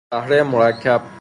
بهره مرکب